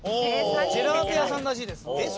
ジェラート屋さんらしいです。